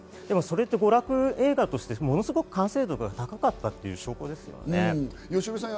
でもそれって娯楽映画としてものすごく完成度が高かったという証拠ですよね。